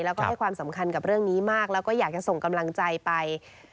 แล้วก็ให้ความสำคัญกับเรื่องนี้มากแล้วก็อยากจะส่งกำลังใจไป